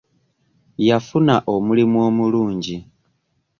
Yafuna omulimu omulungi.